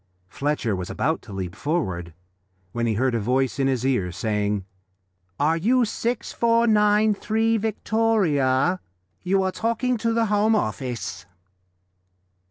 Fletcher was about to leap forward when he heard a voice in his ear saying "Are you 6493 Victoria? You are talking to the Home Office."